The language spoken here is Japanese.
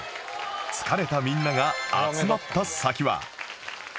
疲れたみんなが集まった先は